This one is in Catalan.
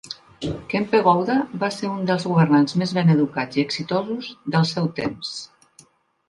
Kempe Gowda va ser un dels governants més ben educats i exitosos del seu temps.